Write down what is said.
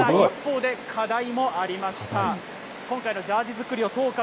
ただ一方で、課題もありました。